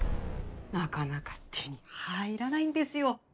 なかなか手に入らないんですよ。